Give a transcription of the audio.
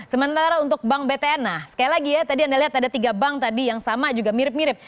sementara untuk bank btn nah sekali lagi ya tadi anda lihat ada tiga bank tadi yang sama juga mirip mirip